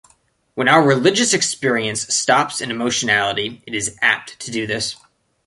When our religious experience stops in emotionality, it is apt to do this.